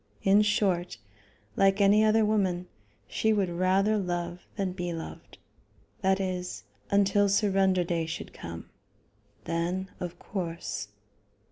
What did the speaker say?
In short, like any other woman, she would rather love than be loved, that is, until surrender day should come; then of course....